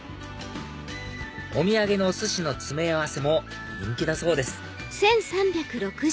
お土産のお寿司の詰め合わせも人気だそうです